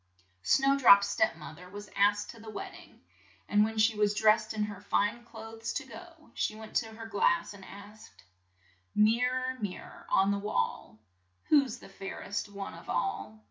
Snow drop's step moth er was asked to the wed ding, and when she was dressed in her fine clothes to go, she went to her glass and asked : "Mir ror, mir ror on the wall, Who's the fair est one of all?"